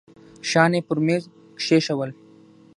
شيان يې پر ميز کښېښوول.